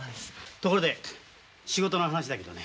ところで仕事の話だけどね。